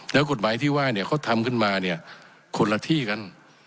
แล้วกฎหมายที่ว่าเนี่ยเขาทำขึ้นมาเนี่ยคนละที่กัน